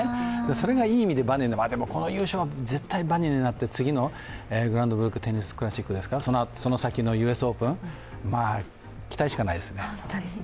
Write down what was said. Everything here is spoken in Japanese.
それがいい意味で、バネになる、でもこの優勝は絶対バネになって次のグランドスラムテニスですか、その先のＵＳオープン期待しかないですね。